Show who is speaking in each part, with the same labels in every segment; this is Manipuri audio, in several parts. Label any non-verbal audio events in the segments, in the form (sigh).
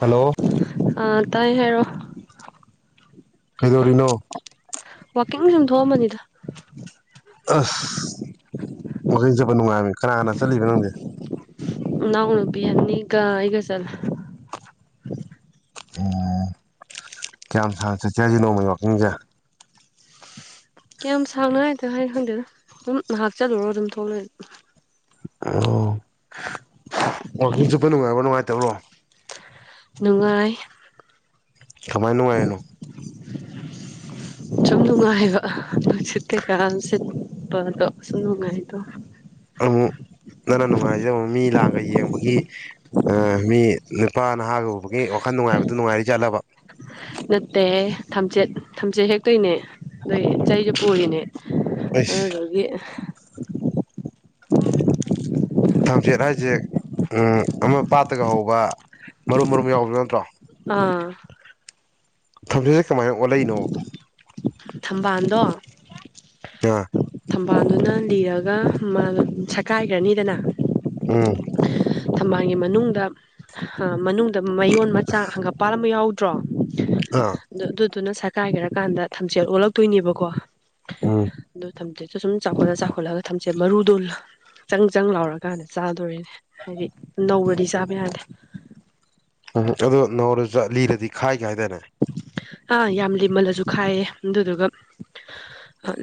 Speaker 1: ꯍꯜꯂꯣ
Speaker 2: ꯑ ꯇꯥꯏ ꯍꯥꯏꯔꯛꯑꯣ
Speaker 1: ꯀꯩꯗꯧꯔꯤꯅꯣ
Speaker 2: ꯋꯥꯥꯛꯀꯤꯡ ꯁꯨꯝ ꯊꯣꯛꯑꯝꯕꯅꯤꯗ
Speaker 1: ꯑꯁ ꯋꯥꯛꯀꯤꯡ ꯆꯠꯄ ꯅꯨꯡꯉꯥꯏꯕꯅꯤ ꯀꯅꯥ ꯀꯅꯥ ꯆꯠꯂꯤꯕ ꯅꯪꯗꯤ
Speaker 2: ꯏꯅꯥꯎꯅꯨꯄꯤ ꯑꯅꯤꯒ ꯑꯩꯒ ꯆꯠꯂꯦ
Speaker 1: ꯎꯝ ꯀꯌꯥꯝ ꯁꯥꯥꯡꯅ ꯆꯠꯁꯦ ꯍꯥꯏꯅꯣ ꯅꯣꯡꯃꯩ ꯋꯥꯀꯤꯡꯁꯦ
Speaker 2: ꯀꯌꯥꯝ ꯁꯥꯡꯅ ꯍꯥꯏꯗ ꯍꯥꯏ ꯈꯪꯗꯦꯅ ꯑꯗꯨꯝ ꯉꯥꯏꯍꯥꯛ ꯆꯠꯂꯨꯔꯣ ꯑꯗꯨꯝ ꯊꯣꯛꯂ
Speaker 1: ꯑꯣ ꯋꯥꯋꯀꯤꯡ ꯆꯨꯠꯄ ꯅꯨꯡꯉꯥꯏꯕ꯭ꯔꯣ ꯅꯨꯡꯉꯥꯏꯇꯕ꯭ꯔꯣ
Speaker 2: ꯅꯨꯡꯉꯥꯏ
Speaker 1: ꯀꯃꯥꯏꯅ ꯅꯨꯡꯉꯥꯏꯔꯤꯅꯣ
Speaker 2: ꯁꯨꯝ ꯅꯨꯡꯉꯥꯏꯍꯥꯢꯕ ꯅꯨꯁꯤꯠ ꯀꯩꯀ ꯑꯗꯨꯝ ꯁꯤꯠꯄ ꯑꯗꯨꯗꯣ ꯁꯨꯝ ꯅꯨꯡꯉꯥꯏꯔꯤꯗꯣ
Speaker 1: ꯑꯃꯨꯛ ꯅꯪꯅ ꯅꯨꯡꯉꯥꯏꯖ ꯑꯃꯨꯛ ꯃꯤ ꯂꯥꯡꯒ ꯌꯦꯡꯕꯒꯤ ꯑꯥ ꯃꯤ ꯅꯨꯄꯥ ꯅꯍꯥꯒ ꯎꯕꯒꯤ ꯋꯥꯈꯜ ꯅꯨꯡꯉꯥꯏꯕꯗꯨ ꯅꯨꯡꯉꯥꯏꯔꯤꯖꯥꯠꯂꯕ
Speaker 2: ꯅꯠꯇꯦꯍꯦ ꯊꯝꯆꯦꯠ ꯊꯝꯆꯦꯠ ꯍꯦꯛꯇꯣꯏꯅꯦ ꯑꯗꯨꯢꯒꯤ ꯆꯩꯗꯨ ꯄꯨꯔꯤꯅꯦ
Speaker 1: ꯑꯩꯁ
Speaker 2: ꯑꯗꯨꯗꯨꯒꯤ
Speaker 1: ꯊꯝꯆꯦꯠ ꯍꯥꯏꯁꯦ ꯎꯝ ꯑꯃ ꯄꯥꯠꯇꯒ ꯍꯧꯕ ꯃꯔꯨꯝ ꯃꯔꯨꯝ ꯌꯥꯎꯕꯗꯣ ꯅꯠꯇ꯭ꯔꯣ
Speaker 2: ꯑꯥ
Speaker 1: ꯊꯝꯃꯦ ꯀꯃꯥꯏꯅ ꯑꯣꯜꯂꯛꯏꯅꯣ
Speaker 2: ꯊꯝꯕꯥꯜꯗꯣ
Speaker 1: ꯑ
Speaker 2: ꯊꯝꯕꯥꯜꯗꯨꯅ ꯂꯤꯔꯒ ꯕꯥꯜꯗꯣ ꯁꯀꯥꯏꯈ꯭ꯔꯅꯤꯗꯅ
Speaker 1: ꯎꯝ
Speaker 2: ꯊꯝꯕꯥꯜꯒꯤ ꯃꯅꯨꯡꯗ ꯃꯅꯨꯡꯗ ꯃꯌꯣꯟ ꯃꯆꯥ ꯍꯪꯒꯥꯄꯥ ꯟ ꯑꯃ ꯌꯥꯎ ꯇ꯭ꯔꯣ
Speaker 1: ꯑꯥ
Speaker 2: ꯑꯗꯨꯅ ꯁꯔꯀꯥꯏꯒꯦꯔꯀꯥꯟꯗ ꯊꯝꯆꯦꯜꯠ ꯑꯣꯜꯂꯛꯇꯣꯏꯅꯦꯕꯀꯣ
Speaker 1: ꯎꯝ
Speaker 2: ꯗꯣ ꯊꯝꯆꯦꯠ ꯁꯨ ꯁꯨꯝ ꯆꯥꯎꯈꯠꯂ ꯆꯥꯎꯈꯠꯂꯒ ꯊꯝꯆꯦꯠ ꯃꯔꯨꯗꯣ ꯆꯪ ꯆꯪ ꯂꯥꯎꯔꯀꯥꯟꯗ ꯆꯥꯗꯣꯔꯤꯅꯦ ꯍꯥꯏꯗꯤ ꯅꯧꯔꯗꯤ ꯆꯥꯕ ꯌꯥꯗꯦ
Speaker 1: ꯎꯝ ꯑꯗꯨꯗ ꯅꯧꯔ ꯆ ꯂꯤꯔꯗꯤ ꯈꯥꯏ ꯀꯥ ꯢ ꯍꯥꯏꯗꯥꯢꯅꯦ
Speaker 2: ꯑꯥ ꯌꯥꯝ ꯂꯤꯃꯜꯂꯁꯨ ꯈꯥꯏꯌꯦ ꯑꯗꯨꯗꯨꯒ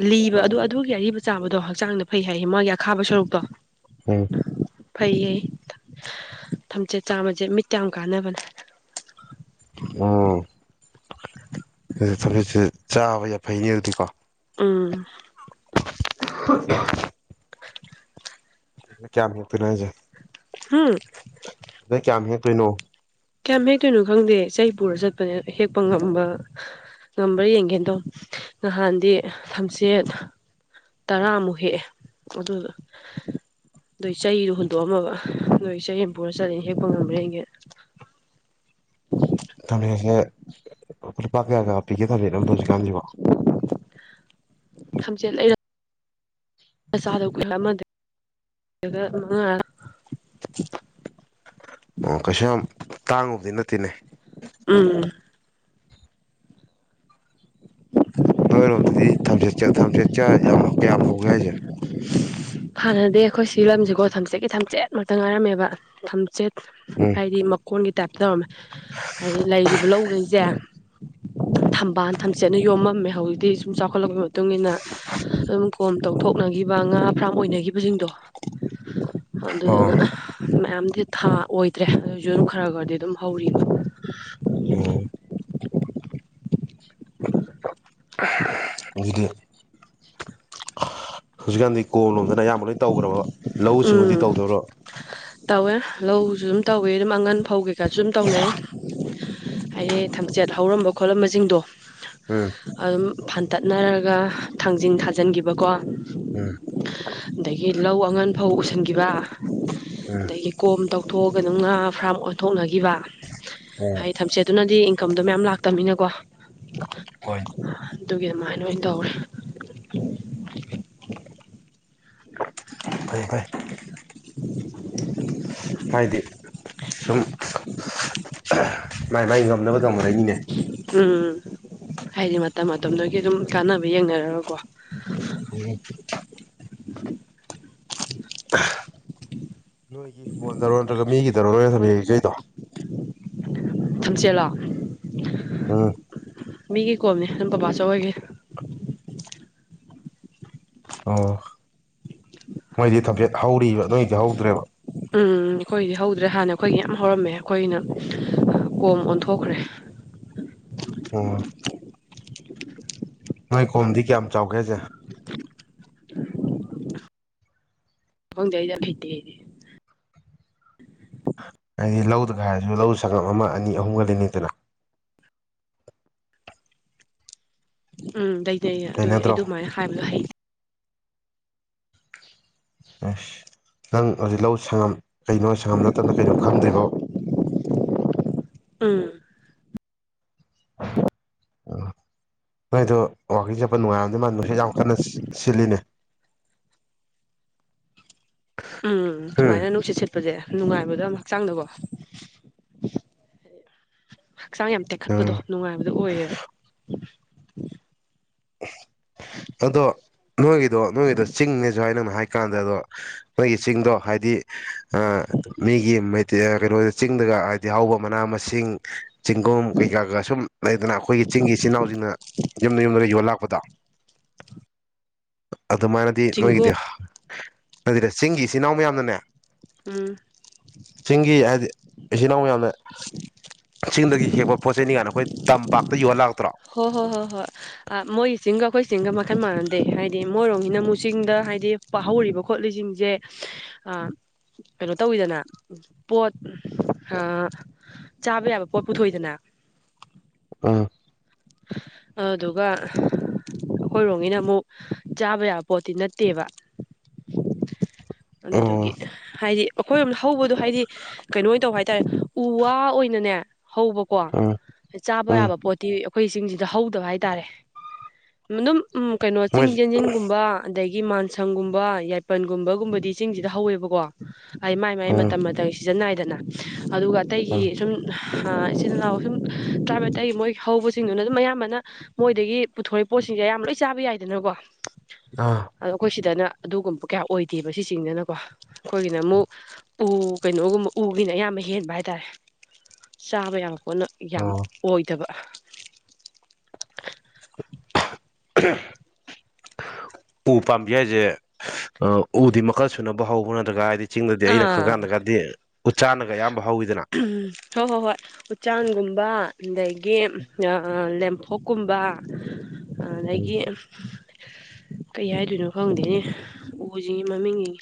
Speaker 2: ꯂꯤꯕ ꯑꯗꯨ ꯑ-ꯗꯨꯒꯤ ꯑꯔꯤꯕ ꯆꯥꯕꯗꯣ ꯍꯛꯆꯥꯡꯗ ꯐꯩ ꯍꯥꯏꯌꯦ ꯃꯣꯢꯒꯤ ꯑꯈꯥꯕ ꯁꯔꯨꯛꯇꯣ
Speaker 1: ꯎꯝ
Speaker 2: ꯐꯩꯌꯦ ꯊꯝꯖꯦꯠ ꯆꯥꯕꯁꯦ ꯃꯤꯠꯇ ꯌꯥꯝ ꯀꯥꯟꯅꯕꯅꯦ
Speaker 1: ꯎꯝ ꯑꯗꯨ ꯊꯝꯖꯦꯠꯁꯦ ꯆꯥꯕ ꯌꯥꯏ ꯐꯩꯅꯦ ꯑꯗꯨꯗꯤꯀꯣ
Speaker 2: ꯎꯝ
Speaker 1: (inaudible) ꯅꯣꯢ ꯀꯌꯥꯝ ꯍꯦꯛꯇꯣꯏꯅꯣ ꯍꯥꯏꯁꯦ
Speaker 2: ꯍꯥꯝ
Speaker 1: ꯅꯣꯏ ꯀꯥꯌꯝ ꯍꯦꯛꯇꯣꯏꯅꯣ
Speaker 2: ꯀꯌꯥꯝ ꯍꯦꯛꯇꯣꯏꯅꯣ ꯈꯪꯗꯦ ꯆꯩ ꯄꯨꯔ ꯆꯠꯄꯅꯦ ꯍꯦꯛꯄ ꯉꯝꯕ ꯉꯝꯕ꯭ꯔꯥ ꯌꯦꯡꯒꯦꯗꯣ ꯅꯍꯥꯟꯗꯤ ꯊꯝꯆꯦꯠ ꯇꯔꯥꯃꯨꯛ ꯍꯦꯛꯑꯦ ꯑꯗꯨꯢ ꯆꯩꯗꯣ ꯍꯨꯟꯗꯣꯛꯑꯝꯃꯕ ꯅꯣꯏ ꯆꯩ ꯑꯃ ꯄꯨꯔ ꯆꯠꯂꯦ ꯍꯦꯛꯄ ꯉꯝꯕ꯭ꯔꯥ ꯌꯦꯡꯒꯦꯅ
Speaker 1: ꯊꯃꯦꯁꯦ ꯂꯨꯄꯥ ꯀꯌꯥ ꯀꯌꯥ ꯄꯤꯒꯦ ꯊꯝꯆꯦꯠ ꯑꯃꯗ ꯍꯧꯖꯤꯛꯀꯟꯖꯤꯕꯨ
Speaker 2: ꯊꯝꯖꯦꯠ ꯂꯩꯔ ꯆꯥꯗ ꯀꯨꯏꯔ ꯑꯃꯗ ꯃꯉꯥ
Speaker 1: ꯇꯦꯟꯂꯦ
Speaker 2: ꯎꯝ
Speaker 1: ꯅꯣꯏꯔꯣꯝꯗꯗꯤ ꯊꯝꯆꯦꯠ ꯊꯝꯆꯦꯠ ꯆ ꯌꯥꯝ ꯀꯌꯥꯝ ꯍꯧꯒꯦ ꯍꯥꯏꯁꯦ
Speaker 2: ꯍꯥꯟꯅꯗꯤ ꯑꯩꯈꯣꯏ ꯁꯤ ꯂꯝꯖꯦꯀꯣ ꯊꯝꯆꯦꯠꯀꯤ ꯊꯝꯆꯦꯠꯃꯛꯇ ꯉꯥꯏꯔꯝꯃꯦꯕ ꯊꯝꯆꯦꯠ
Speaker 1: ꯎꯝ
Speaker 2: ꯍꯥꯏꯗꯤ ꯃꯀꯣꯟꯒꯤ ꯇꯥꯏꯞ ꯇꯧꯔꯝꯃꯦ ꯍꯥꯏꯗꯤ ꯂꯩꯈꯤꯕ ꯂꯧꯈꯩꯁꯦ ꯊꯝꯕꯥꯜ ꯊꯝꯆꯦꯠꯅ ꯌꯣꯝꯃꯝꯃꯦ ꯍꯧꯖꯤꯛꯇꯤ ꯁꯨꯝ ꯆꯥꯎꯈꯠꯂꯛꯄꯒꯤ ꯃꯇꯨꯡ ꯏꯟꯅ ꯑꯗꯨꯝ ꯀꯣꯝ ꯇꯧꯊꯣꯛꯅꯈꯤꯕ ꯉꯥ ꯐꯥꯔꯝ ꯑꯣꯏꯅꯈꯤꯕꯁꯤꯡꯗꯣ
Speaker 1: ꯑꯣ
Speaker 2: ꯑꯗꯨꯗꯨꯅ ꯃꯌꯥꯝꯗꯤ ꯊꯥ ꯑꯣꯏꯗ꯭ꯔꯦ ꯑꯗꯨꯁꯨ ꯑꯗꯨꯝ ꯈꯔ ꯈꯔꯗꯤ ꯑꯗꯨꯝ ꯍꯧꯔꯤ
Speaker 1: ꯎꯝ
Speaker 2: (inaudible)
Speaker 1: ꯑꯗꯨꯗꯤ ꯍꯧꯖꯤꯛꯀꯥꯟꯗꯤ ꯀꯣꯝꯂꯣꯝꯗꯅ ꯑꯌꯥꯝꯕ ꯂꯣꯏ ꯇꯧꯈ꯭ꯔꯕ ꯂꯧꯎ ꯁꯤꯡꯎꯗꯤ
Speaker 2: ꯎꯝ
Speaker 1: ꯇꯧꯗꯣꯏꯔꯣ
Speaker 2: ꯇꯧꯋꯦ ꯂꯧꯁꯨ ꯑꯗꯨꯝ ꯇꯧꯋꯦ ꯑꯗꯨꯝ ꯑꯉꯟ ꯐꯧꯒꯤ (unintelligible) ꯇꯧꯅꯩ ꯍꯥꯏꯗꯤ ꯊꯝꯆꯦꯠ ꯍꯧꯔꯝꯕ ꯈꯣꯠꯂꯝꯕꯁꯤꯡꯗꯣ
Speaker 1: ꯎꯝ
Speaker 2: ꯑꯗꯨꯝ ꯐꯥꯟꯇꯠꯅꯔꯒ ꯊꯥꯡꯖꯤꯟ ꯊꯥꯖꯤꯟꯈꯤꯕꯀꯣ
Speaker 1: ꯎꯝ
Speaker 2: ꯑꯗꯒꯤ ꯂꯧ ꯑꯉꯟ ꯐꯧ ꯎꯁꯟꯈꯤꯕ
Speaker 1: ꯎꯝ
Speaker 2: ꯑꯗꯒꯤ ꯀꯣꯝ ꯇꯧꯊꯣꯛꯑꯒ ꯑꯗꯨꯝ ꯉꯥ ꯐꯥꯔꯝ ꯑꯣꯟꯊꯣꯛꯅꯒꯤꯕ
Speaker 1: ꯎꯝ
Speaker 2: ꯍꯥꯏꯗꯤ ꯊꯝꯆꯦꯠꯅꯗꯤ ꯏꯟꯀꯝꯗꯣ ꯃꯌꯥꯝ ꯂꯥꯛꯇꯕꯅꯤꯅꯀꯣ
Speaker 1: ꯍꯣꯏ
Speaker 2: ꯑꯗꯨꯒꯤ ꯑꯗꯨꯃꯥꯏꯅ ꯑꯣꯏꯅ ꯇꯧꯔꯦ
Speaker 1: ꯐꯩ ꯐꯩ ꯍꯥꯏꯗꯤ ꯁꯨꯝ ꯃꯥꯏ ꯃꯥꯏ ꯉꯝꯅꯕ ꯇꯧꯅꯔꯛꯏꯅꯤꯅꯦ
Speaker 2: ꯎꯝ ꯍꯥꯏꯗꯤ ꯃꯇꯝ ꯃꯇꯝꯗꯨꯒꯤ ꯑꯗꯨꯝ ꯀꯥꯟꯅꯕ ꯌꯦꯡꯅꯔꯒꯀꯣ
Speaker 1: ꯎꯝ ꯍꯤꯡꯒꯣꯟꯗꯔꯣ ꯅꯠꯇ꯭ꯔꯒ ꯃꯤꯒꯤꯗꯔꯣ ꯅꯣꯏꯅ (unintelligible) ꯌꯩꯖꯩꯗꯣ
Speaker 2: ꯊꯝꯆꯦꯠꯂꯣ
Speaker 1: ꯎꯝ
Speaker 2: ꯃꯤꯒꯤ ꯀꯣꯝꯅꯤ ꯅꯝ ꯕꯕꯥꯆꯧ ꯍꯣꯏꯒꯤ
Speaker 1: ꯑꯣ ꯃꯣꯏꯗꯤ ꯊꯝꯆꯦꯠ ꯍꯧꯔꯤꯕ ꯅꯣꯏꯗꯤ ꯍꯧꯗ꯭ꯔꯦꯕ
Speaker 2: ꯎꯝ ꯑꯩꯈꯣꯏꯗꯤ ꯍꯧꯗ꯭ꯔꯦ ꯍꯥꯟꯅ ꯑꯩꯈꯣꯏꯗꯤ ꯌꯥꯝ ꯍꯧꯔꯝꯃꯦ ꯑꯩꯈꯣꯏꯅ ꯀꯣꯝ ꯑꯣꯟꯊꯣꯛꯈ꯭ꯔꯦ
Speaker 1: ꯑꯣ ꯅꯣꯏ ꯀꯣꯝꯗꯤ ꯀꯌꯥꯝ ꯆꯥꯎꯒꯦ ꯍꯥꯏꯁꯦ
Speaker 2: ꯈꯪꯗꯤꯌꯦ ꯑꯩꯗꯤ ꯍꯩꯇꯦ ꯑꯩꯗꯤ
Speaker 1: ꯂꯧꯗꯒ ꯍꯥꯏꯔꯁꯨ ꯂꯧ ꯁꯪꯒꯝ ꯑꯃ ꯑꯅꯤ ꯑꯍꯨꯝꯒ ꯂꯩꯅꯩꯗꯅ
Speaker 2: (inaudible) ꯎꯝ ꯂꯩꯗꯦꯌꯦ ꯑꯗꯨꯏ
Speaker 1: ꯂꯩꯅꯗ꯭ꯔꯣ
Speaker 2: ꯑꯩꯗꯨ ꯑꯗꯨꯃꯥꯏꯅ ꯍꯥꯏꯕꯗꯣ ꯍꯩ
Speaker 1: ꯑꯁ ꯅꯪ ꯍꯧꯖꯤꯛ ꯂꯧ ꯁꯪꯉꯝ ꯀꯩꯅꯣ ꯁꯪꯉꯝ ꯅꯠꯇꯝꯅ ꯀꯩꯅꯣ ꯈꯪꯗ꯭ꯔꯤꯕꯣ
Speaker 2: ꯎꯝ
Speaker 1: ꯅꯣꯏꯗꯣ ꯋꯥꯀꯤꯡ ꯆꯠꯄ ꯅꯨꯡꯉꯥꯏꯔꯝꯗꯧ ꯃꯥꯟ ꯅꯨꯡꯁꯤꯠ ꯌꯥꯝ ꯀꯟꯅ ꯁꯤꯠ ꯁꯤꯠꯂꯤꯅꯦ
Speaker 2: ꯎꯝ ꯗꯨꯃꯥꯏꯅ ꯅꯨꯡꯁꯤꯠ ꯁꯤꯠꯄꯁꯦ ꯅꯨꯡꯉꯥꯏꯕꯗꯣ ꯌꯥꯝ ꯍꯛꯆꯥꯡꯗꯀꯣ ꯍꯛꯆꯥꯡ ꯌꯥꯝ ꯇꯦꯛꯈꯠꯄꯗꯣ
Speaker 1: ꯎꯝ
Speaker 2: ꯅꯨꯡꯉꯥꯏꯕꯗꯣ ꯑꯣꯏꯌꯦꯕ (inaudible)
Speaker 1: (inaudible) ꯑꯗꯣ ꯅꯣꯏꯒꯤꯗꯣ ꯅꯣꯏꯗꯣ ꯆꯤꯡꯅꯦꯁꯨ ꯍꯥꯏ ꯅꯪꯅ ꯍꯥꯏ ꯀꯥꯟꯗ ꯑꯗꯣ ꯅꯣꯏꯒꯤ ꯆꯤꯡꯗꯣ ꯍꯥꯏꯗꯤ ꯑꯥ ꯃꯤꯒꯤ ꯃꯦꯇꯦꯔ ꯀꯩꯅꯣ ꯆꯤꯡꯗꯒ ꯍꯥꯏꯗꯤ ꯍꯧꯕ ꯃꯅꯥ ꯃꯁꯤꯡ ꯆꯤꯡꯒꯨꯝ ꯀꯩꯀꯥ ꯒ ꯁꯨꯝ ꯂꯩꯗꯅ ꯑꯩꯈꯣꯏꯒꯤ ꯆꯤꯡꯒꯤ ꯏꯆꯤꯜ ꯏꯅꯥꯎꯁꯤꯡꯅ ꯌꯨꯝꯗ ꯌꯨꯝꯗ ꯌꯣꯜ ꯂꯥꯛꯄꯗꯣ ꯑꯗꯨ ꯃꯥꯅꯗꯤ ꯅꯣꯏꯒꯤꯗꯤ
Speaker 2: ꯆꯤꯡꯒꯣ
Speaker 1: ꯍ ꯑꯗꯨꯗ ꯆꯤꯡꯒꯤ ꯏꯆꯤꯟ ꯏꯅꯥꯎ ꯃꯌꯥꯝꯅꯅꯦ
Speaker 2: ꯎꯝ
Speaker 1: (inaudible) ꯆꯤꯡꯒꯤ ꯍꯥꯏꯗꯤ ꯏꯆꯤꯟ ꯏꯅꯥꯎ ꯃꯌꯥꯝꯅ ꯆꯤꯡꯗꯒꯤ ꯍꯦꯛꯄ ꯄꯣꯠ ꯆꯩꯅꯤ ꯀꯌꯥꯅꯣ
Speaker 2: ꯍꯣ ꯍꯣ ꯍꯣ ꯍꯣꯏ ꯑ ꯃꯣꯏꯆꯤꯡꯒ ꯑꯩꯈꯣꯏ ꯆꯤꯡꯒ ꯃ ꯈꯟ ꯃꯥꯟꯅꯗꯦ ꯍꯥꯏꯗꯤ ꯃꯣꯏꯔꯣꯝꯒꯤꯅ ꯃꯨ ꯆꯤꯡꯗ ꯍꯥꯏꯗꯤ ꯄ ꯍꯧꯔꯤꯕ ꯈꯣꯠꯂꯤꯁꯤꯡꯁꯦ ꯑ ꯀꯩꯅꯣ ꯇꯧꯋꯤꯗꯅ ꯄꯣꯠ ꯍꯥ ꯆꯥꯕ ꯌꯥꯕ ꯄꯣꯠ ꯄꯨꯊꯣꯛꯏꯗꯅ
Speaker 1: ꯑꯥ
Speaker 2: ꯑꯥꯗꯨꯒ ꯑꯩꯈꯣꯏꯔꯣꯝꯒꯤꯅ ꯑꯃꯨꯛ ꯆꯥꯕ ꯌꯥꯕ ꯄꯣꯠꯇꯤ ꯅꯠꯇꯦꯕ (inaudible)
Speaker 1: ꯎꯝ
Speaker 2: ꯑꯗꯨꯗꯨꯒꯤ ꯍꯥꯏꯗꯤ ꯑꯩꯈꯣꯏ ꯔꯣꯝ ꯍꯧꯕꯗꯣ ꯍꯥꯏꯗꯤ ꯀꯩꯅꯣ ꯑꯣꯏꯅ ꯇꯧꯕ ꯍꯥꯏꯇꯥꯔꯦ ꯎ ꯋꯥ ꯑꯣꯏꯅꯅꯦ ꯍꯧꯕꯀꯣ
Speaker 1: ꯎꯝ
Speaker 2: ꯆꯥꯕ
Speaker 1: ꯎꯝ
Speaker 2: ꯌꯥꯕ ꯄꯣꯠꯇꯤ ꯑꯩꯈꯣꯏ ꯆꯤꯡꯁꯤꯗ ꯍꯧꯗꯕ ꯍꯥꯏꯇꯥꯔꯦ ꯃꯅꯨꯝ ꯎꯝ ꯀꯩꯅꯣ ꯆꯤꯡ
Speaker 1: ꯃꯣꯏ
Speaker 2: ꯆꯦꯟꯁꯤꯟꯒꯨꯝꯕ ꯑꯗꯒꯤ ꯑꯩꯒꯤ ꯃꯥꯟꯁꯪꯒꯨꯝꯕ ꯌꯥꯏꯄꯟꯒꯨꯝꯕꯒꯨꯝꯕꯗꯤ ꯆꯤꯡꯁꯤꯗ ꯍꯧꯋꯦꯕꯀꯣ ꯑꯩ ꯃꯥꯏ ꯃꯥꯏ
Speaker 1: ꯎꯝ
Speaker 2: ꯃꯇꯝ ꯃꯇꯝꯒꯤ ꯁꯤꯖꯤꯟꯅꯥꯏꯗꯅ ꯑꯗꯨꯒ ꯑꯇꯩꯒꯤ
Speaker 1: ꯎꯝ
Speaker 2: ꯁꯨꯝ ꯑ ꯏꯆꯤꯜ ꯏꯅꯥꯎ ꯁꯨꯝ ꯇ꯭ꯔꯥꯕꯇꯩꯒꯤ ꯃꯣꯏ ꯍꯧꯕꯦ ꯁꯤꯡꯗꯨꯅ ꯑꯗꯨꯝ ꯑꯌꯥꯝꯕꯅ ꯃꯣꯏꯗꯒꯤ ꯄꯨꯊꯣꯔꯛꯏ ꯄꯣꯠꯁꯤꯡꯁꯦ ꯑꯌꯥꯝꯕꯅ ꯂꯣꯏ ꯆꯥꯕ ꯌꯥꯏꯗꯅꯀꯣ ꯑꯗꯣ
Speaker 1: ꯑꯥ
Speaker 2: ꯑꯩꯈꯣꯏ ꯁꯤꯗꯅ ꯑꯗꯨꯒꯨꯝꯕ ꯀꯌꯥ ꯑꯣꯏꯗꯦꯕ ꯁꯤꯁꯤꯡꯁꯤꯅꯀꯣ ꯑꯩꯈꯣꯏꯒꯤꯅ ꯑꯃꯨꯛ ꯎ ꯀꯩꯅꯣꯒꯨꯝꯕ ꯎꯒꯤꯅ ꯑꯌꯥꯝꯕ ꯍꯦꯟꯕ ꯍꯥꯏꯇꯥꯔꯦ ꯆꯥꯕ ꯌꯥꯕ ꯄꯣꯠꯅ ꯌꯥꯝ
Speaker 1: ꯑꯣ
Speaker 2: ꯑꯣꯏꯗꯕ
Speaker 1: ꯎ ꯄꯥꯝꯕꯤ ꯍꯥꯏꯁꯦ ꯎꯗꯤ ꯃꯈꯜ ꯁꯨꯅꯕ ꯍꯧꯕ꯭ꯔ ꯅꯠꯇ꯭ꯔꯒ ꯍꯥꯏꯗꯤ ꯆꯤꯡꯗꯗꯤ ꯑꯩꯅ ꯈꯪ ꯀꯥꯟꯗ ꯀꯥꯟꯗꯤ ꯎꯆꯥꯅꯒꯌꯥ ꯑꯌꯥꯝ
Speaker 2: ꯍꯑꯝ ꯍꯣꯏ ꯍꯣꯏ ꯍꯣꯏ ꯎꯆꯆꯥꯡꯒꯨꯝꯕ ꯑꯗꯒꯤ ꯂꯦꯝꯐꯣꯛꯀꯨꯝꯕ
Speaker 1: ꯎꯝ
Speaker 2: ꯑꯗꯒꯤ ꯀꯩ ꯍꯥꯏꯗꯣꯏꯅꯣ ꯈꯪꯗꯦꯅꯦ ꯎꯁꯤ ꯃꯃꯤꯡꯁꯤ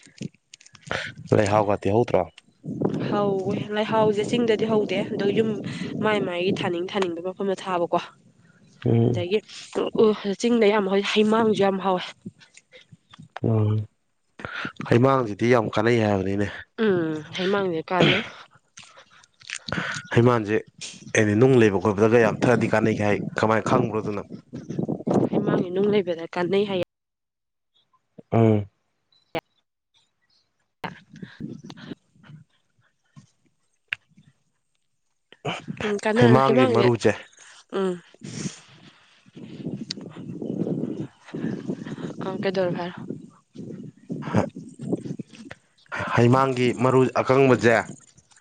Speaker 1: ꯂꯩ ꯍꯥꯎ ꯒꯗꯤ ꯍꯧꯗ꯭ꯔꯣ
Speaker 2: ꯍꯧꯋꯦ ꯂꯩꯍꯥꯎꯁꯦ ꯆꯤꯡꯗꯗꯤ ꯍꯧꯗꯦ ꯑꯗꯣ ꯌꯨꯝ ꯃꯥꯏ ꯃꯥꯏꯒꯤ ꯊꯥꯅꯤꯡ ꯊꯥꯅꯤꯡꯕ ꯃꯐꯝꯗ ꯊꯥꯕꯀꯣ
Speaker 1: ꯎꯝ
Speaker 2: ꯑꯗꯒꯤ ꯑꯣ ꯆꯤꯡꯗ ꯌꯥꯝ ꯍꯥꯎꯋꯦ ꯍꯤꯃꯥꯡꯁꯨ ꯌꯥꯝ ꯍꯥꯎꯋꯦ
Speaker 1: ꯎꯝ ꯍꯩꯃꯥꯡꯁꯤꯗꯤ ꯌꯥꯝ ꯀꯥꯟꯅꯩ ꯍꯥꯏꯕꯅꯤꯅꯦ
Speaker 2: ꯎꯝ ꯍꯩꯃꯥꯡꯅꯦ ꯀꯥꯟꯅꯩ
Speaker 1: ꯍꯩꯃꯥꯟꯁꯦ ꯑꯦꯅꯤ ꯅꯨꯡ ꯂꯩꯕ ꯑꯣꯏꯕꯗꯒ ꯌꯥꯝ ꯊꯔꯗꯤ ꯀꯥꯟꯅꯩꯈꯤ ꯍꯥꯏ ꯀꯃꯥꯏꯅ ꯈꯪꯕ꯭ꯔꯣꯗꯨꯅ
Speaker 2: ꯍꯩꯃꯥꯡꯁꯦ ꯅꯨꯡ ꯂꯩꯕꯗ ꯀꯥꯟꯅꯩ ꯍꯥꯏꯌꯦ
Speaker 1: ꯎꯝ
Speaker 2: (unintelligible) ꯎꯝ ꯀꯥꯟꯅ
Speaker 1: ꯍꯩꯃꯥꯡꯒꯤ
Speaker 2: ꯍꯩꯃꯥꯡꯁꯦ
Speaker 1: ꯃꯔꯨꯁꯦ
Speaker 2: ꯎꯝ ꯑꯥ ꯀꯩꯗꯧꯔꯕ ꯍꯥꯏꯎ
Speaker 1: ꯍꯩꯃꯥꯡꯒꯤ ꯃꯔꯨ ꯑꯀꯪꯕꯁꯦ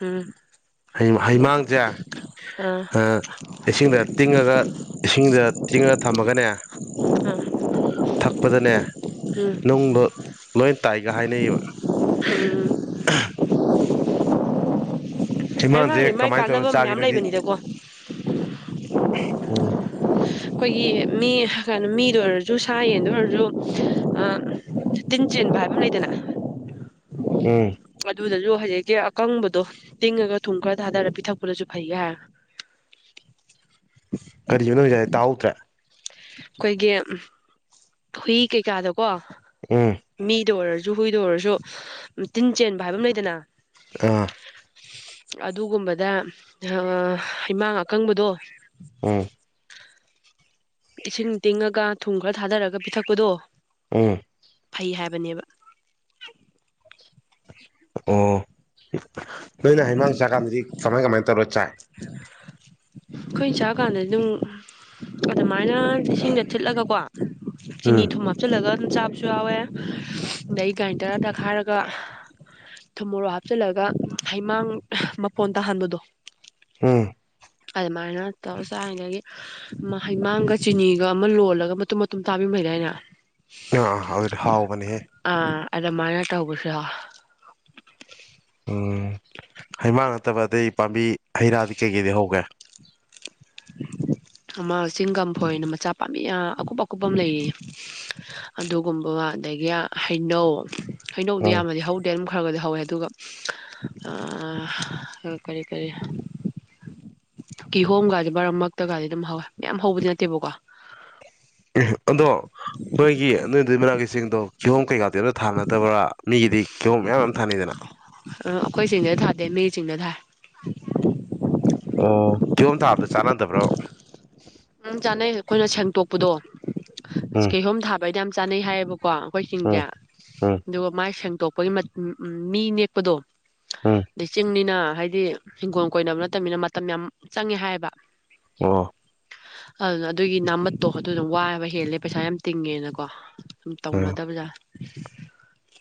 Speaker 2: ꯎꯝ
Speaker 1: ꯍꯩ ꯍꯩꯃꯥꯡꯁꯦ ꯑꯥ ꯏꯁꯤꯡꯗ ꯇꯤꯡꯉꯒ ꯏꯁꯤꯡꯗ ꯇꯤꯡꯉꯒ ꯊꯝꯃꯒꯅꯦ
Speaker 2: ꯑꯥ
Speaker 1: ꯊꯛꯄꯗꯅꯦ
Speaker 2: ꯎꯝ
Speaker 1: ꯅꯨꯡꯗꯣ ꯂꯣꯏ ꯇꯥꯏꯒ ꯍꯥꯏꯅꯩꯌꯦꯕ
Speaker 2: ꯎꯝ ꯍꯥꯏ ꯃꯥ
Speaker 1: ꯍꯩꯃꯥꯡꯁꯦ
Speaker 2: ꯃꯒꯤ
Speaker 1: ꯀꯃꯥꯏꯅ ꯇꯧꯔ
Speaker 2: ꯀꯥꯟꯅꯕ ꯃꯌꯥꯝ
Speaker 1: ꯆꯥꯒꯦꯅꯣꯗꯤ
Speaker 2: ꯂꯩꯕꯅꯤꯗꯀꯣ
Speaker 1: ꯎꯝ
Speaker 2: ꯑꯩꯈꯣꯏꯒꯤ ꯃꯤ ꯀꯅꯣ ꯃꯤꯗ ꯑꯣꯏꯔꯁꯨ ꯁꯥ ꯌꯦꯟꯗ ꯑꯣꯏꯔꯁꯨ ꯇꯤꯟ ꯆꯦꯟꯕ ꯍꯥꯏꯕ ꯑꯃ ꯂꯩꯗꯅ
Speaker 1: ꯎꯝ
Speaker 2: ꯑꯗꯨꯗꯁꯨ ꯍꯧꯖꯤꯛꯀꯤ ꯑꯀꯪꯕꯗꯣ ꯇꯤꯡꯉꯒ ꯊꯨꯝ ꯈꯔ ꯊꯥꯗꯔ ꯄꯤꯊꯛꯄꯗꯁꯨ ꯐꯩ ꯍꯥꯏ
Speaker 1: ꯇꯍꯧꯗ꯭ꯔꯦ
Speaker 2: ꯑꯩꯈꯣꯏꯒꯤ ꯍꯨꯏ ꯀꯩꯀꯥꯗꯣ ꯀꯣ
Speaker 1: ꯎꯝ
Speaker 2: ꯃꯤ ꯗ ꯑꯣꯏꯔꯁ ꯨ ꯍꯨꯏꯗ ꯑꯣꯏꯔꯁꯨ ꯇꯤꯟ ꯆꯦꯟꯕ ꯍꯥꯏꯕ ꯑꯃ ꯂꯩꯗꯅ
Speaker 1: ꯑꯥ
Speaker 2: ꯑꯗꯨꯒꯨꯝꯕꯗ ꯑꯥ ꯍꯩꯃꯥꯡ ꯑꯀꯪꯕꯗꯣ
Speaker 1: ꯎꯝ
Speaker 2: ꯏꯁꯤꯡ ꯇꯤꯡꯉꯒ ꯊꯨꯝ ꯈꯔ ꯊꯥꯗꯔꯒ ꯄꯤꯊꯛꯄꯗꯣ
Speaker 1: ꯎꯝ
Speaker 2: ꯐꯩ ꯍꯥꯏꯕꯅꯦꯕ
Speaker 1: ꯑꯣ ꯅꯣꯏꯅ ꯍꯤꯃꯥꯡ ꯆꯥꯀꯥꯟꯗꯤ ꯀꯃꯥꯏ ꯀꯃꯥꯏ ꯇꯧꯔ ꯆꯥꯏ
Speaker 2: ꯑꯩꯈꯣꯏꯅ ꯆꯥꯛ ꯀꯥꯟꯗ ꯑꯗꯨꯝ ꯑꯗꯨꯃꯥꯏꯅ ꯏꯁꯤꯡꯗ ꯊꯤꯠꯂꯒꯀꯣ ꯆꯤꯅꯤ
Speaker 1: ꯎꯝ
Speaker 2: ꯊꯨꯝ ꯍꯥꯞꯆꯤꯜꯂꯒ ꯁꯨꯝ ꯆꯥꯕꯁꯨ ꯌꯥꯎꯋꯦ ꯑꯗꯩ ꯒ꯭ꯔꯥꯏꯟꯗꯔ ꯇꯛꯈꯥꯏꯔꯒ ꯊꯨꯝꯃꯣꯔꯣꯛ ꯍꯥꯞꯆꯤꯜꯂꯒ ꯍꯩꯃꯥꯡ ꯃꯄꯣꯟ ꯇꯥꯍꯟꯕꯗꯣ
Speaker 1: ꯍꯝ
Speaker 2: ꯑꯗꯨꯃꯥꯏꯅ ꯇꯧꯔ ꯆꯗꯒꯤ ꯍꯩꯃꯥꯡꯒ ꯆꯤꯅꯤꯒ ꯑꯃ ꯂꯣꯜꯂꯒ ꯃꯇꯨꯝ ꯃꯇꯨꯝ ꯇꯥꯕꯤꯕꯩꯗ ꯑꯏꯅ
Speaker 1: (unintelligible) ꯍꯥꯎꯕꯅꯦ ꯍꯦ
Speaker 2: ꯑꯗꯨ ꯃꯥꯅ ꯇꯧꯕꯁꯨ ꯌꯧꯑꯦ
Speaker 1: ꯎꯝ ꯍꯩꯃꯥꯡ ꯅꯠꯇꯕ ꯑꯇꯩ ꯄꯥꯝꯕꯤ ꯍꯩ ꯔꯥꯗꯤ ꯀꯩꯀꯩꯗꯤ ꯍꯧꯒꯦ
Speaker 2: ꯑꯃ ꯆꯤꯡ ꯀꯝꯐꯣꯏꯅ ꯃꯆꯥ ꯄꯥꯝꯕꯤ ꯑꯀꯨꯞ ꯑꯀꯨꯞꯄ ꯑꯃ ꯂꯩꯌꯦ ꯑꯗꯨꯒꯨꯝꯕ ꯑꯗꯒꯤ ꯍꯩꯅꯧ ꯍꯩꯅꯧꯗꯤ
Speaker 1: ꯎꯝ
Speaker 2: ꯌꯥꯝꯅꯗꯤ ꯍꯧꯗꯦ ꯑꯗꯨꯝ ꯈꯔꯒꯗꯤ ꯍꯧꯋꯦ ꯑꯗꯨꯒ ꯑ ꯀꯔꯤ ꯀꯔꯤ ꯀꯤꯍꯣꯝꯒꯗꯤ ꯕꯥꯔ ꯃꯛꯇꯒꯗꯤ ꯑꯗꯨꯝ ꯍꯧꯋꯦ ꯃꯌꯥꯝ ꯍꯧꯕꯗꯤ ꯅꯠꯇꯦꯕꯀꯣ
Speaker 1: ꯑꯗꯨꯏ ꯃꯅꯥꯒꯤꯁꯤꯡꯗꯣ ꯀꯤꯍꯣꯝ ꯀꯩꯀꯥ ꯗꯤ ꯑꯝꯇ ꯊꯥꯅꯗꯕ꯭ꯔꯥ ꯃꯤꯒꯤꯗꯤ ꯀꯤꯍꯣꯝ ꯃꯌꯥꯝ ꯃꯌꯥꯝ ꯑꯃ ꯊꯥꯅꯩꯗꯅ
Speaker 2: ꯎꯝ ꯑꯩꯈꯣꯏ ꯆꯤꯡꯗ ꯊꯥꯗꯦ ꯃꯤ ꯆꯤꯡꯗ ꯊꯥ
Speaker 1: ꯑꯣ ꯀꯤꯌꯣꯝ ꯊꯥꯕꯗ ꯆꯅꯗꯕ꯭ꯔꯣ
Speaker 2: ꯎꯝ ꯆꯥꯅꯩ ꯑꯩꯈꯣꯏꯅ ꯁꯦꯡꯇꯣꯛꯄꯗꯣ
Speaker 1: ꯎꯝ
Speaker 2: ꯀꯩꯍꯣꯝ ꯊꯥꯞ ꯕꯥꯗꯤ ꯌꯥꯝ ꯆꯥꯅꯩ ꯍꯥꯏꯌꯦ ꯀꯣ ꯑꯩꯈꯣꯏ ꯆꯤꯡꯁꯦ
Speaker 1: ꯎꯝ ꯎꯝ
Speaker 2: ꯑꯗꯨꯒ ꯃꯥꯏ ꯁ ꯇꯣꯞꯄꯒꯤ ꯃꯠ ꯎꯝ ꯎꯝ ꯃꯤ ꯅꯦꯛꯄꯗꯣ
Speaker 1: ꯎꯝ
Speaker 2: ꯑꯗꯩ ꯆꯤꯡꯅꯤꯅ ꯍꯥꯏꯗꯤ ꯍꯤꯡꯒꯣꯜ ꯀꯣꯏꯅꯕ ꯅꯠꯇꯅꯤꯅ ꯃꯇꯝ ꯌꯥꯝ ꯆꯪꯉꯦ ꯍꯥꯏꯌꯦꯕ
Speaker 1: ꯑꯣ
Speaker 2: ꯑꯗꯨꯅ ꯑꯗꯨꯒꯤ ꯅꯥꯝꯃꯠꯇꯣ ꯑꯗꯨꯅꯝ ꯋꯥꯕ ꯍꯦꯜꯂꯦ ꯄꯩꯁꯥ ꯌꯥꯝ ꯇꯤꯡꯉꯦꯅꯀꯣ ꯁꯨꯝ ꯇꯧꯅꯗꯕ ꯖꯥꯠ (inaudible)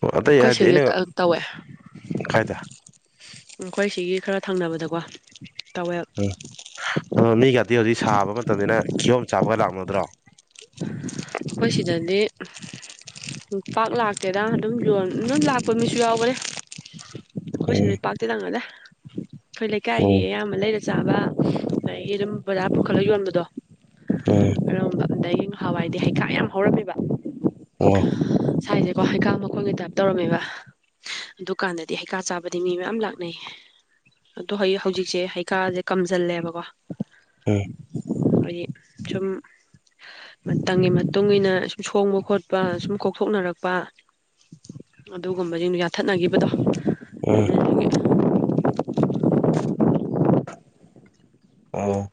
Speaker 1: ꯑꯣ ꯑꯇꯩ ꯍꯥꯏꯗꯤ ꯑꯩꯅ ꯀꯥꯏꯗ
Speaker 2: ꯑꯩꯈꯣꯏ ꯁꯤꯒꯤ ꯈꯔ ꯊꯪꯅꯕꯗꯀꯣ (unintelligible)
Speaker 1: ꯎꯝ ꯑꯗꯣ ꯃꯤꯒꯗꯤ ꯍꯧꯖꯤꯛ ꯁꯥꯕ ꯃꯇꯝꯅ ꯀꯤꯌꯣꯝ ꯆꯥꯕꯒ (unintelligible)
Speaker 2: ꯑꯩꯈꯣꯏ ꯁꯤꯗꯗꯤ ꯄꯥꯛ ꯂꯥꯛꯇꯦꯅ ꯑꯗꯨꯝ ꯌꯣꯟ ꯑꯗꯨꯝ ꯂꯥꯛꯄ ꯃꯤꯁꯨ ꯌꯥꯎꯈꯔꯦ ꯍꯈꯣꯏ
Speaker 1: ꯎꯝ
Speaker 2: ꯁꯤꯗ ꯄꯥꯛꯇꯦ ꯇꯪꯉꯗꯦ ꯑꯩꯈꯣꯏ ꯂꯩꯀꯥꯏꯒꯤ
Speaker 1: ꯎꯝ
Speaker 2: ꯑꯌꯥꯝꯕ ꯂꯩꯔ ꯆꯥꯕ ꯑꯗꯒꯤ ꯑꯗꯨꯝ ꯕꯖꯥ ꯄꯨꯈꯠꯂꯒ ꯌꯣꯟꯕꯗꯣ
Speaker 1: ꯎꯝ
Speaker 2: ꯑꯔꯝꯕ (unintelligible) ꯍꯋꯥꯏꯗꯤ ꯍꯩꯀꯥ ꯌꯥꯝ ꯍꯧꯔꯝꯃꯦꯕ
Speaker 1: ꯑꯣ
Speaker 2: ꯀꯣ ꯍꯩꯀꯥ ꯃꯈꯣꯡꯒꯤ ꯇꯥꯏꯞ ꯇꯧꯔꯝꯃꯦꯕ ꯑꯗꯨꯀꯥꯟꯗꯗꯤ ꯍꯩꯀꯥ ꯆꯥꯕꯗꯤ ꯃꯤ ꯃꯌꯥꯝ ꯂꯥꯛꯅꯩ ꯑꯗꯣ ꯍꯧ ꯍꯧꯖꯤꯛꯁꯦ ꯍꯩꯀꯥꯁꯦ ꯀꯝꯖꯜꯂꯦꯕꯀꯣ
Speaker 1: ꯎꯝ
Speaker 2: ꯑꯩꯈꯣꯏ ꯁꯨꯝ ꯃꯇꯝꯒꯤ ꯃꯇꯨꯡ ꯏ ꯃꯇꯨꯡꯏꯟꯅ ꯁꯨꯝ ꯁꯣꯡꯕ ꯈꯣꯠꯄ ꯁꯨꯝ ꯀꯣꯛꯊꯣꯛꯅꯔꯛꯄ ꯑꯗꯨꯒꯨꯝꯕꯁꯤꯡꯗꯨ ꯌꯥꯊꯠꯅꯈꯤꯕꯗꯣ
Speaker 1: ꯎꯝ
Speaker 2: ꯑꯗꯨꯗꯨꯒꯤ
Speaker 1: ꯑꯣ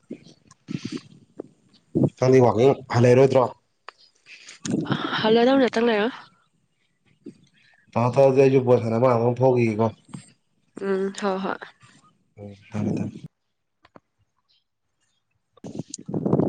Speaker 1: ꯁꯪꯗꯤ ꯋꯥꯀꯤꯡ ꯍꯜ ꯂꯩꯔꯣꯏꯗ꯭ꯔꯣ (unintelligible)
Speaker 2: ꯍꯜꯂꯗꯅꯦ ꯉꯇꯪ ꯂꯩꯔꯒ
Speaker 1: ꯇꯧꯔꯣ ꯇꯧꯔꯗꯤ (unintelligible)
Speaker 2: ꯎꯝ ꯍꯣ ꯍꯣꯏ
Speaker 1: ꯑꯣ ꯐꯔꯦ ꯐꯔꯦ
Speaker 2: (inaudible)